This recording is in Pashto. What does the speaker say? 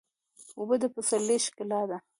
اوبه د پسرلي ښکلا ده.